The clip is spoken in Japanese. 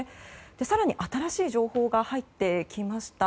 更に新しい情報が入ってきました。